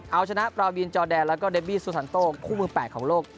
เอาชนะปราบินจอแดนแล้วก็เดบี้ซูซันโต้คู่มือ๘ของโลก